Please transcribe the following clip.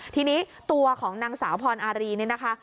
ทีนี้ตัวของนางสาวพรอารีนี่นะคะ